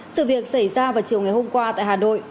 sự việc xảy ra vào chiều ngày hôm qua tại hà nội